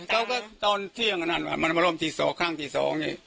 แล้วก็ตอนเที่ยงอันนั้นมันมาร่มที่สองครั้งที่สองนี่